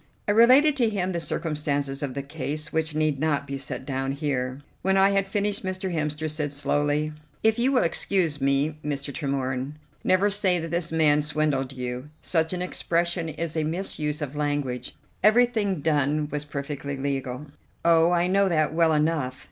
I related to him the circumstances of the case, which need not be set down here. When I had finished Mr. Hemster said slowly: "If you will excuse me, Mr. Tremorne, never say that this man swindled you. Such an expression is a misuse of language. Everything done was perfectly legal." "Oh, I know that well enough.